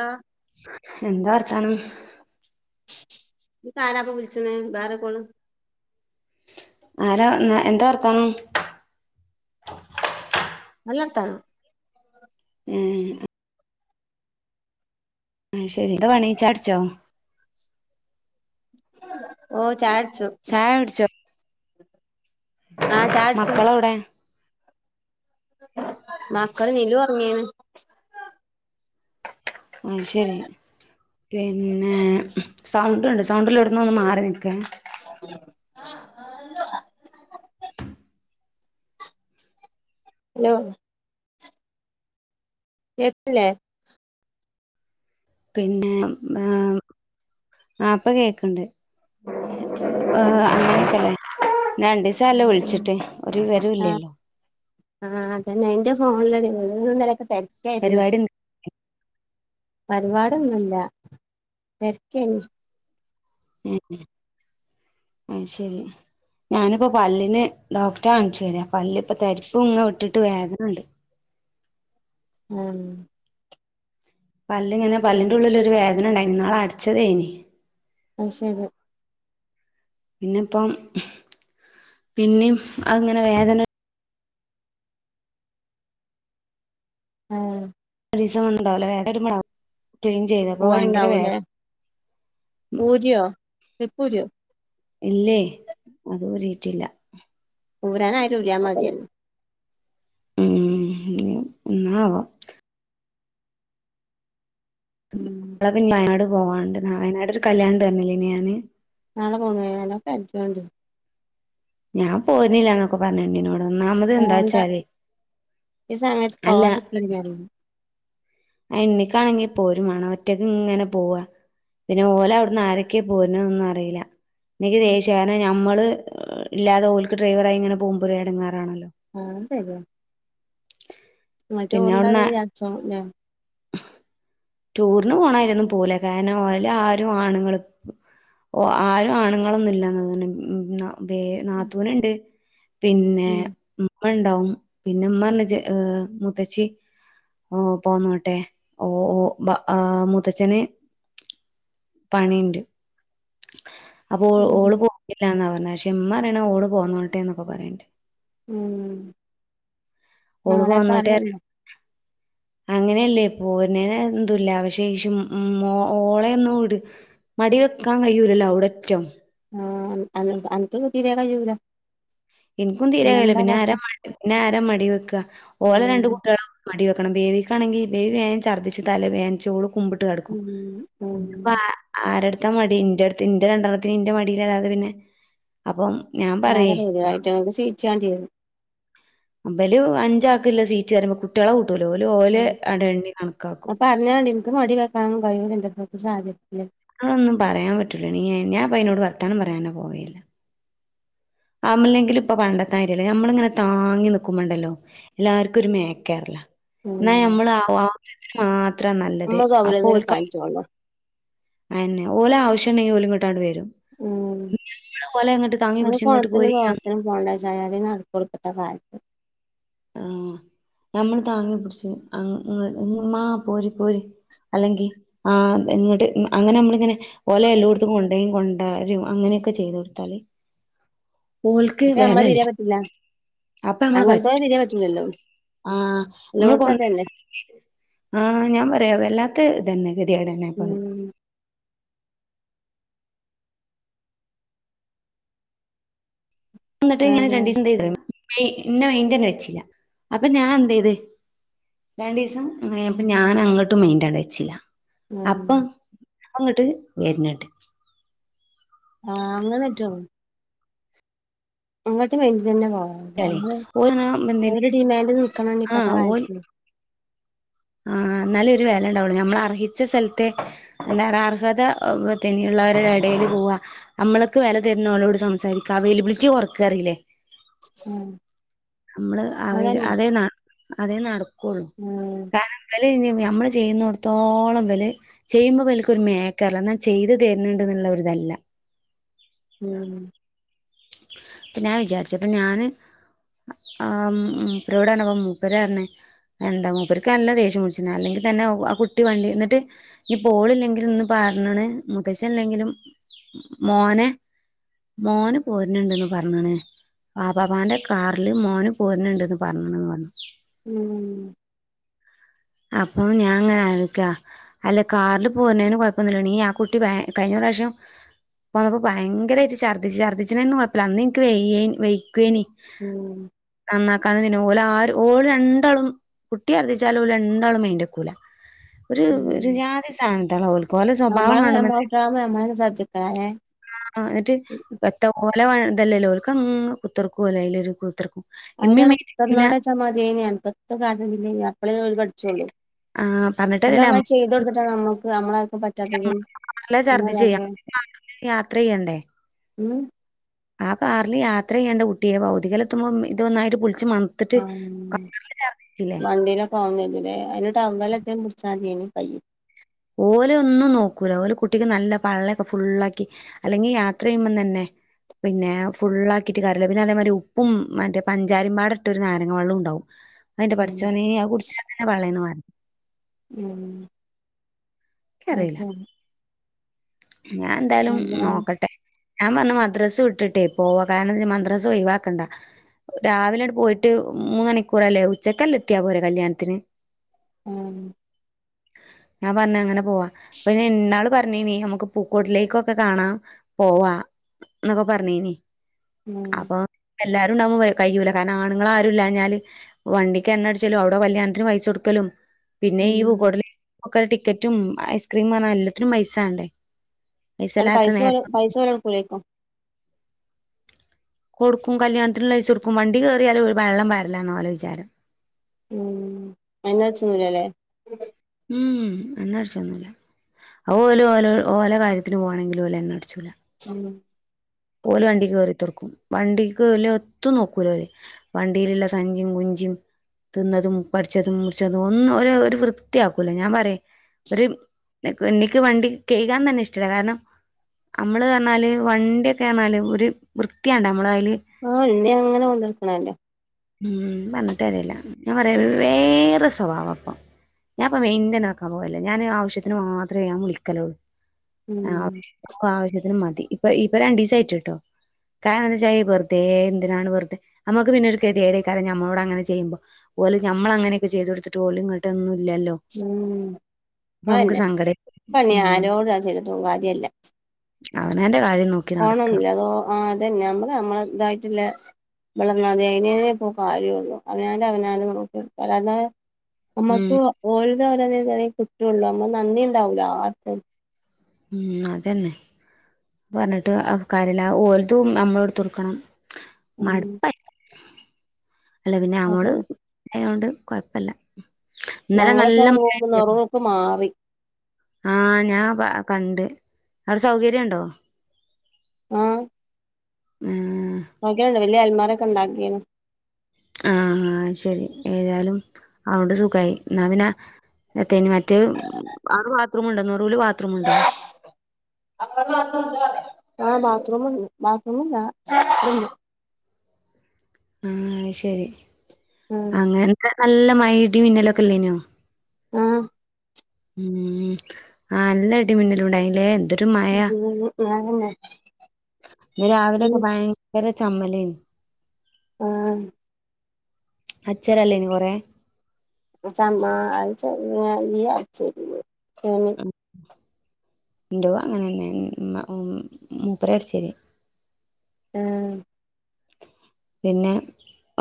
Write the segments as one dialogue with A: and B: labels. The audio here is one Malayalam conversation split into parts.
A: ആ
B: എന്താ [unintelligible]
A: ഇതിപ്പ ആരാപ്പൊ വിളിച്ചത് വേറെ കോള്
B: ആരാ എന്താ വർത്താനം [inaudible]
A: നല്ല വർത്താനം
B: ഉം ആ ശരി എന്താ പണീ ചായ കുട്ച്ചോ
A: ഓ ചായ
B: ചായ കുട്ച്ചോ
A: ആ ചായുടിച്ചു
B: മക്കളെവിടെ
A: മക്കള് നിലു ഒ ങ്ങീന
B: ഉം ശരി പിന്നെ സൗണ്ട് ഒണ്ട് സൗണ്ടിൻ്റെ അവിടന്ന് ഒന്ന് മാറി നിക്ക് ഏ
A: ആ [unintelligible] പിന്നെ വന്ന് കേട്ടില്ലെ
B: പിന്നെ ആ ആ ഇപ്പ കേക്ക്ണ്ട് ആ
A: ഉം
B: അങ്ങനക്കല്ലേ രണ്ടീസായല്ല വിള്ച്ചിട്ട് ഒരു വിവരം
A: ആ
B: ഇല്ലല്ലോ
A: ആ അതന്നെ ന്റെ ഫോണിലെരു ന്നും ഇന്നലെക്കെ തെ
B: പരിപാടി ന്ത
A: പരിപാടിന്നുമില്ല തെര്ക്കേനി
B: ഉം ഉം ആത് ശരി ഞാനിപ്പോ പല്ലിന് ഡോക്ടെ കാണിച്ചു വരാ പല്ല് ഇപ്പ തരിപ്പുങ്ങനെ ഇട്ടിട്ട് വേദനണ്ട്
A: ഉം
B: പല്ല്ങ്ങനെ പല്ലിൻ്റെ ഉള്ളിൽ ഒരു വേദനണ്ടായ്നി ഇന്നാള് അട്ച്ചതേനി
A: അത് ശരി
B: പിന്നെപ്പം പിന്നിം അത്ങ്ങനെ വേദന
A: ആ
B: [unintelligible] ചെയ്തപ്പോ ഭയങ്കര വേ
A: വണ്ടവല്ലെ ഊരിയോ ക്ലിപ്പൂര്യോ
B: ഇല്ലേ അത് ഊരിട്ടില്ല
A: ഊരാനരൂല്ല മതിയെനു
B: ഉം [unintelligible]
A: ഉം
B: [unintelligible] പോവാണ്ട് വയനാട് ഒരു കല്യാണം ഇണ്ട്റ്ഞ്ഞില്ലേന്യോ മിന്നാ
A: നാളെ പോണെ നല്ലോം കര്തിയോണ്ടി
B: ഞാൻ പോരിന്നില്ലാന്നൊക്കെ പറഞ്ഞ് ണ്ണിനോട്ന്ന
A: പോണ്ട ഈ സമയത്ത് പോവാതിരി [unintelligible]
B: ആ ണ്ണിക്കാണെങ്കി പോരുു മാണം ഒറ്റക്ക് ഇങ്ങനെ പോവാ പിന്നെ ഓല അവ്ട്ന്ന് ആരൊക്കെ പോരുണെന്നൊന്നും അറീല്ല ണ്ണിക്ക്
A: ഉം
B: ദേഷ്യയാ കാരണം ഞമ്മള് ഹ് ഇല്ലാതെ ഓൽക്ക് ഡ്രൈവറായി ഇങ്ങനെ പോകുമ്പോര് എടങ്ങേറാണല്ലോ
A: മറ്റേ
B: പിന്നെ
A: ഓർ
B: അവിടുന്ന്
A: [unintelligible]
B: ടൂറിന് പോണായിരൊന്നും പോവൂല കാരണം ഓലാരും ആണുങ്ങള് ഓ ആരും ആണുങ്ങളൊന്നുല്ലന്ന് മ്മ ബേ
A: ഉം
B: നാത്തൂന്ണ്ട് പിന്നെ
A: ഉം
B: മ്മണ്ടാവും പിന്നെ മ്മറ്ഞ്ഞ് ജ മൂത്തച്ചി പോന്നോട്ടെ ഓ ഓ ബ ആ മുത്തച്ഛന് പണിണ്ട് അപ്പൊ
A: ഉം
B: ഓള് പോണില്ലാന്ന പറഞ്ഞെ ക്ഷെ ഇമ്മ പറീണെ ഓള് പോന്നോട്ടേ ന്നൊക്കെ പറീണ്ട്
A: ഉം
B: ഓള്
A: നാളെ
B: പോന്നോട്ടെ
A: പറയല്ലോ
B: അങ്ങനെയല്ലേ പോരനേന്ന് എതുല്ല പക്ഷേ ഷും ഉം ഓളയൊന്നും ട് മടി വെക്കാൻ കഴിയൂല്ലല്ലോ അവിട ഒറ്റോ
A: ആ അന് അൻ അനക്ക് കുട്ടിനെ കഴിയൂല
B: എനിക്കും തീരെ കയില്ല
A: പിന്നെന്താ
B: പിന്നെ
A: കാട്ടാ
B: ആരാ മടി പിന്നെ ആരാ മടി വെയ്ക്ക ഓലെ
A: ഉം
B: രണ്ട് കൂട്ടികളും മടി വെക്ക എക്കണം ബേബിക്കാണെങ്കിൽ ബേബി വേൻ ഛർദ്ദിച്ച് തലവേനി ച്ചോളും കുമ്പിട്ട് കിടക്കും
A: ഉം ഉം
B: അ ആരടുത്ത് ഇൻ്റെ മടി ഇൻ്റടുത്ത് ഇന്റെ രണ്ടെണ്ണത്തിന് ഇന്റെ മടിൽ അല്ലാതെ പിന്നെ അപ്പം ഞാൻ പറയെ
A: ചിരിച്ചാണ്ടിയിരുന്നു
B: അമ്പേല് അഞ്ചാക്ക്ള്ള സീറ്റ് തരുമ്പോ കുട്ടികളെ കൂട്ടൂല്ല ഓല് ഓല്
A: ഉം
B: അടെ എണ്ണി കണക്കാക്കും
A: ക്ക് മടി വെക്കാനൊന്നും കഴിയൂല്ല എന്നെകൊണ്ട് സാധിക്കില്ല
B: അതൊന്നും പറയാൻ പറ്റൂല നീ ഞാൻ ഇപ്പം അയിനോട് വർത്താനം പറയാനോ പോയില്ല ആംമല്ലെങ്കിലും ഇപ്പൊ പണ്ടത്തെ മാര്യല്ല ഞമ്മളിങ്ങനെ താങ്ങി നിക്കുമ്പോണ്ടല്ലോ എല്ലാർക്കും ഒരു മേക്കേറലാ എന്നാ
A: ഉം
B: ഞമ്മള് ആവശ്യത്തിന് മാത്രാ നല്ലത്
A: നമ്മള്
B: അപ്പൊ
A: ഗൗരവം
B: ഓൽക്ക്
A: എടുക്കാഞ്ഞിട്ടൊള്ളു
B: അന്നെ ഓലെ ആവശ്യ ഉണ്ടെങ്കിൽ ഓലിങ്ങോട്ടാണ്ട് വരും
A: ഉം
B: ഞമ്മള് ഓലെ ഇങ്ങട്ട് താങ്ങി
A: [unintelligible]
B: പിടിച്ച് ഇങ്ങട്ട്
A: പോണ്ടാന്ന്
B: പോരി
A: വച്ചാ അതാ നടക്ക് കൊടുക്കണ്ട കാര്യ
B: നമ്മൾ താങ്ങി പിടിച്ച് ഉമ്മ പോര് പോര് അല്ലെങ്കി ആ ഇങ്ങോട്ട് അങ്ങനെ നമ്മള് ഇങ്ങനെ ഓലെ എല്ലോടത്തും കൊണ്ടും കൊണ്ടരും അങ്ങനെയൊക്കെ ചെയ്ത് കൊടുത്താല് ഓൾക്ക്
A: അപ്പൊ നമ്മളെ
B: വെലല്ല
A: തീരെ പറ്റൂല
B: അപ്പൊ നമ്മള്
A: അങ്ങൻത്തോലെ
B: പറ്റും
A: തീരെ പറ്റൂലല്ലോ
B: ആ മ്മ്ള് കൊ
A: എല്ലോട്ത്തും അതന്നെ
B: ആ ഞാൻ പറയാ വല്ലാ ത് ഇതന്നെ ഗതികേട് ന്നെ അപ്പത്
A: ഉം
B: വന്നിട്ട് ഞാൻ
A: അതെ
B: രണ്ടീസം ദേ ഇ തേമാ ന്നെ മൈന്റനെ വെച്ചില്ല അപ്പൊ ഞാൻ എന്തെയ്ത് രണ്ടീസം അപ്പൊ ഞാൻ അങ്ങോട്ടും മയിൻ്റാ വെച്ചില്ല
A: ഉം
B: അങ്ങോട്ട് വർനെട്ട്
A: ആ അങ്ങനറ്റോ അങ്ങോട്ട് വേണ്ടി തന്നെ പോക
B: ല്ലേ
A: നമ്മള്
B: ഓന് എന്തിന്
A: അവര്ടെ ഡിമാൻഡ് ന് നിക്കണം
B: ആ
A: ഇപ്പത്തെ
B: ഓൽ
A: കാലത്ത്
B: ആ എന്നാലേ ഒരു വില ഉണ്ടാവുള്ളൂ നമ്മൾ അർഹിച്ച സ്ഥലത്തെ എന്താ അർഹത തനിയുള്ളവരുടെ ഇടയിൽ പോവ നമ്മൾക്ക് വില തരുന്നളോട് സംസാരിക്കാം അവൈലബിലിറ്റി കൊറക്കറിയില്ലേ
A: ഉം
B: നമ്മള് അവര്
A: അതന്നെ
B: അതേ ന അതേ നാട്
A: ഉം
B: ഇവല് ഇ നമ്മള് ചെയ്യുന്നിടത്തോളം ഇവല് ചെയ്യുമ്പോ ഇവല്ക്കൊരു മേക്കറല്ല എന്ന ചെയ്ത് തര്ന്നുണ്ട് എന്നുള്ളരിതല്ല
A: ഉം
B: പിന്ന ഞാൻ വിചാരിച്ചപ്പ ഞാന് ആ മൂപ്പരോടറഞ്ഞപ്പോ മൂപ്പരറഞ്ഞ് എന്താ മൂപ്പർക്ക് നല്ല ദേഷ്യംപുടിച്ക്കണ് അല്ലെങ്കിൽ തന്നെ ആ കുട്ടി വണ്ടി എന്നിട്ട് ഇപ്പോ ഓളില്ലെങ്കിലുംന്ന് പറഞ്ന് മൂതഷ്ൻ ഇല്ലെങ്കിലും മോനെ മോന് പോരുണ്ടെന്നു പറഞ്ഞണ് വാപ്പാപ്പന്റെ കാറില് മോന് പോരുന്നുണ്ടെന്ന് പറഞ്ഞണന്ന് പറഞ്ഞു
A: ഉം
B: അപ്പം ഞാൻ അങ്ങനെ ആലോയിക്കാ അല്ല കാറിൽ പോകുന്നേന് കുഴപ്പൊന്നില്ല നീ ആ കുട്ടി കഴിഞ്ഞ പ്രാവശ്യം പോന്നപ്പോ ഭയങ്കരായിട്ട് ഛർദ്ദിർചാരുന്ന് [unintelligible] കുഴപ്പമില്ല അന്ന് എനിക്ക് വയ്യായി വൈക്കയ്നി
A: ഉം
B: നന്നാക്കാന്ന് കര് ഇന്നപോലെ ആരും ഓള് രണ്ടാളും കുട്ടിചർദിച്ചാലും ഓള് രണ്ടാളും മൈൻഡ് ആക്കൂല്ല ഒരു ഒരു
A: ഉം
B: ജാതി സാ [unintelligible]
A: [unintelligible]
B: ആ എന്നിട്ട് തട്ടാ അല്ല തല്ലല്ലോ [unintelligible] അങ്ങ് കുത്തിർക്കും അല്ലെല കുത്തിർക്കും ഇമ്മീം
A: അതിനാണ്
B: മേടിക്കില്ല
A: [unintelligible] അപ്പളേ പഠിച്ചുള്ളു
B: ആഹ്
A: നമ്മള്
B: പറഞ്ഞിട്ടല്ലല്ല
A: അങ്ങനെ ചെയ്ത കൊടുത്തിട്ടാണ് നമ്മക്ക് നമ്മളെ പ
B: [unintelligible] ഛർദി ചെയ്യാം നമ്മക്ക് യാത്ര ചെയ്യണ്ടേ
A: ഉം
B: ആ കാറിൽ യാത്ര ചെയ്യേണ്ട കുട്ടിയെ ഭൗതികല് എത്തുമ്പോ ഇതുനന്നായിട്ട് [unintelligible]
A: ആ വണ്ടിയിലാ [unintelligible] അതിന് ടവല് [unintelligible]
B: ഓലെ ഒന്നും നോക്കൂല ഓലെ കുട്ടിക്ക് നല്ല പള്ളയൊക്കെ ഫുള്ളാക്കി അല്ലെങ്കിൽ യാത്ര ചെയ്യുമ്പം തന്നെ പിന്നെ ഫുള്ളാക്കിട്ട് [unintelligible] പിന്നെ അതേമാതിരി ഉപ്പും മറ്റേ പഞ്ചാരിമ്പാട ഇട്ട ഒരു നാരങ്ങ വെള്ളം ഉണ്ടാവും എന്റെ
A: ഉം
B: പടച്ചോനെ അത് കുടിച്ചാ പിന്നെ [unintelligible]
A: ഉം
B: ഇക്കറിയില്ല
A: അതെ
B: ഞാൻ എന്താലും നോക്കട്ടെ ഞാൻ പറഞ്ഞ് മദ്രാസ് വിട്ടിട്ടേ പോകാന്നെന്ന് മദ്രാസ് ഒഴിവാക്കണ്ട രാവിലെ പോയിട്ട് മൂന്നുമണിക്കൂറല്ലേ ഉച്ചക്കല്ലേ എത്തിയാ പോരെ കല്യാണത്തിന്
A: ഉം
B: ഞാൻ പറഞ്ഞ് അങ്ങനെ പോവാ അപ്പം ഞാൻ ഇന്നാള് പറഞ്ഞെന്നെ നമ്മുക്ക് പൂക്കോട്ടിലേക്കൊക്കെ കാണാ പോവാ എന്നൊക്കെ പറ
A: ഉം
B: എല്ലാരും ഉണ്ടാവുമ്പോ കഴിയൂല്ല കാരണം ആണുങ്ങൾ ആരു ഇല്ലാ ഞാല് വണ്ടിക്ക് എണ്ണ അടിച്ചലും അവിടെ കല്യാണത്തിന് പൈസ കൊടുക്കലും പിന്നെ ഈ
A: ഉം
B: മക്കൾടെ ടിക്കറ്റും ഐസ്ക്രീം പറഞ്ഞാ എല്ലാത്തിനും പൈസവേണ്ടേ
A: അല്ല പൈസ [unintelligible] പൈസ [unintelligible]
B: കൊടുക്കും കല്യാണത്തിനുള്ള പൈസ കൊടുക്കും വണ്ടി കയറിയാലും വെള്ളം വരില്ല എന്ന പോല വിചാരം
A: ഉ [unintelligible]
B: ഉം എണ്ണ അടിച്ചൊന്നുല്ല ഓ ഓല ഓല ഓല കാര്യത്തിന് പോകണെങ്കിലും ഓല എണ്ണ അടിച്ച് പോവുല
A: [inaudible]
B: ഓ വണ്ടി കേറിത്തറക്കും വണ്ടിക്ക്ല ഒത്തും നോക്കൂലോ അവര് വണ്ടിയിലുള്ള സഞ്ചും കുഞ്ചും തിന്നതും പഠിച്ചതും മുറിച്ചതും ഒന്നും ഒരു വൃത്തിയാക്കൂല ഞാൻ പറയും ഒരു എനിക്ക് വണ്ടി കഴുകാ തന്നെ ഇഷ്ടല്ല കാരണം നമ്മള് പറഞ്ഞാല് വണ്ടിക്കെ [unintelligible] ഒരു വൃത്തിയണ്ട
A: ആഹ എന്നെ അങ്ങനെ കൊണ്ടുനടക്ക്ണലെ
B: ഉം പറഞ്ഞിട്ട് അറിയില്ല ഞാൻ പറയാ വേറെ സ്വഭാവം അപ്പൊ ഞാൻ അപ്പ മെയിന്റന ആക്കാൻ പോകല്ലേ ഞാൻ ആവശ്യത്തിന് മാത്രമേ ഞാൻ വിളിക്കലള്ളൂ
A: ഉം
B: ആ ആവശ്യത്തിന് മതി ഇപ്പൊ ഇപ്പൊ രണ്ട് [unintelligible] കേട്ടോ കാരണം എന്താ വെച്ചാ വെറുതെ എന്തിനാണ് വെറുതെ നമുക്ക് പിന്നെ ഒരു കഥയട കാരണം നമ്മോട് അങ്ങനെ ചെയ്യുമ്പോ ഓല നമ്മൾങ്ങനൊക്കെ ചെയ്ത കൊടുത്തിട്ട് പോല ഇങ്ങട്ട്
A: ഉം
B: നമുക്ക്
A: അന്നെ
B: സങ്കടം
A: പണി
B: ഉം
A: ആരോട് ചെയ്തട്ടും കാര്യമല്ല
B: അവനാന് കാര്യം നോക്കി നട
A: [unintelligible] ആ അതന്നെ നമ്മള് നമ്മള ഇതായിട്ടല്ല വിളർന്നതെ അതിനേ ഇപ്പോ കാര്യള്ളു അതിനാല അവാല നമ അത
B: ഉം
A: നമ്മുക്ക് ഓല് [unintelligible] കുറ്റുള്ളൂ അമ്മ നന്ദി ഉണ്ടാവലോ ആർക്കും
B: ഉം അതന്നെ പറഞ്ഞിട്ട് ആ കാര്യല്ല ഓരതും നമ്മള എടുത്തൊടുക്കണം
A: ഉം
B: അല്ല പിന്നെ അമ്മള്
A: അതാണ്
B: ആയോണ്ട് കുഴപ്പില്ല ഇന്നലെ നല്ല
A: ഞങ്ങളിപ്പോ
B: മഴ
A: റൂമ്
B: [unintelligible]
A: നെറൂക്ക് മാറി
B: ആ ഞാ കണ്ട് അവിടെ സൗകര്യം ണ്ടോ
A: അ
B: ഉം
A: [unintelligible] അലമാര ഒക്കെ ഇണ്ടാക്കിണ്
B: ആ ആ ശരി ഏതാലും അ കൊണ്ട് സുഖമായി എന്നാ പിന്നെ [unintelligible] [unintelligible] [unintelligible] [unintelligible] നറൂല് ബാത്റൂം ഉണ്ടോ
A: ആ ബാത്റൂമ ഉണ്ട് ബാത്റൂമല്ല
B: ആഹ ശരി
A: ഉം
B: അങ്ങനെ എന്ത നല്ല മ ഇ ഡി മിന്നലൊക്കെ ഇല്ലേനോ
A: അ
B: ഉം ആ നല്ല ഇടി മിന്നലും ഉണ്ടായില്ലേ എന്ത് മഴ
A: ഞാനന്നെ
B: ഇ രാവിലെക്കെ ഭയങ്കര ചു കമല്
A: അ
B: അച്ചരല്ലേ ഇനി കൊറെ
A: [unintelligible] ചമ്മാ അയ് [unintelligible] അട്ച്ചോരെ [unintelligible]
B: ഇന്റെയും അങ്ങനെന്നെ ഉം ഇമ്മ ഉം മൂപ്പരാ അട്ച്ചേരെ
A: ആ
B: പിന്നെ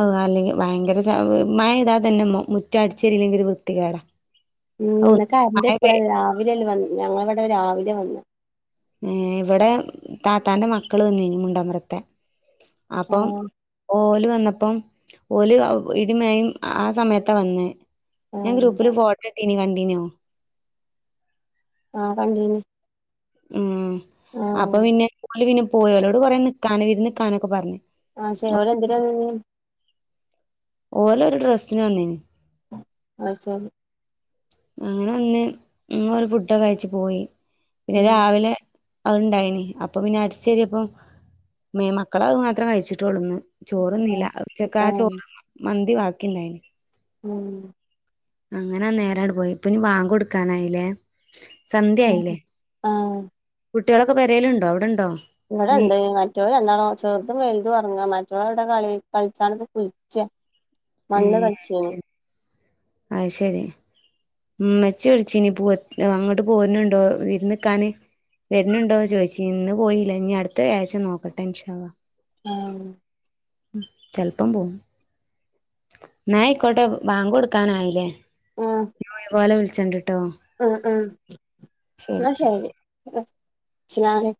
B: അയ് അല്ലെങ്കി ഭയങ്കര ച മഴ പെയ്താ തെന്നെ മു മുറ്റം അടിച്ചെരില്ലെങ്കി ഒര് വൃത്തി കേടാ
A: ഉം ഇന്ന് കരന്റ് എപ്പളാ വെരാ രാവിലെ അല്ലെ വന്നെ ഞങ്ങളെ ഇവടെ രാവിലെ വന്ന്
B: ഏ ഇവടെ താത്താന്റെ മക്കൾ വന്നിനി മുണ്ടമ്പ്രത്തെ അപ്പം
A: ആഹ്
B: ഓല് വ വന്നപ്പം ഓൽ ഇടിം മഴിം ആ സമയെത്താ വന്നെ ഞാൻ
A: ആഹ്
B: ഗ്രൂപ്പില് ഫോട്ട ഇട്ടിനി കണ്ടിനോ
A: ആ കണ്ടിനി
B: ഉം. അപ്പോ പിന്നെ [inaudible] പോയലോട് കുറേ നിക്കാന് വിരു നിക്കാന്നൊക്കെ പറഞ്ഞ്.
A: ആ ശെ ഓര് എന്തിന
B: ഓലോ ഒരു ഡ്രസ്സിന് വന്നീന്.
A: അ ശരി.
B: അങ്ങനെ വന്ന് ഫുഡൊക്കെ കഴിച്ച് പോയി പിന്നെ
A: ഉം
B: രാവിലെ അത്ണ്ടായിന് അപ്പ പിന്നെ അടിച്ചേരിയപ്പം മേ മക്കള് അത് മാത്രം കഴിച്ചിട്ടൊള്ളുന്ന്.
A: ആഹ്
B: ചോറന്നില്ലച്ചക്ക ആ
A: ആഹ്
B: ചോറ് മ ന്തി വാക്കില്ല ആയിന്.
A: ഉം.
B: അങ്ങനാ നേരടു പോയി ഇപ്പൊ ഇനി ബാങ്ക് കൊടുക്കാനായില്ലേ.
A: മ് ആഹ്.
B: കുട്ട്യേളൊക്കെ പെരേല്ണ്ടോ അവ്ടെണ്ടോ.
A: ഇവിടെണ്ട് മറ്റോൽ രണ്ടാളും ചെർതും വെൽതും ഒറങ്ങ മറ്റോൽ കളി കളിചാണ്ട് കുളിച്ച മണ്ണ് കളിച്യേനി.
B: അയ്ശരി ഇമ്മച്ചി വിളിച്ചിനി പോ അങ്ങട്ട് പോരണിണ്ടോ വിരുന്ന് നിക്കാന് വെരണിണ്ടോ ചോദിച്ചി ഇന്ന് പോയില്ല ഇനി അടുത്ത വ്യാഴായ്ച്ച നോക്കട്ടെ ഇൻഷാ അള്ളാഹ്.
A: ആഹ്
B: ചെലപ്പം പോകും. ന്നാ ആയ്ക്കോട്ടെ ബാങ്ക് കൊടുക്കാനായിലേ? [unintelligible] [unintelligible]
A: ആ ആ ന്നാ ശരി [unintelligible]